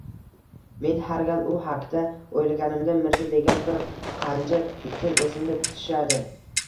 Men har gal u hakda o`ylaganimda Mirza degan bir qanjik itim esimga tshadi